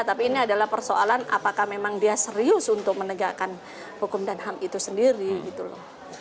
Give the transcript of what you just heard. tapi ini adalah persoalan apakah memang dia serius untuk menegakkan hukum dan ham itu sendiri gitu loh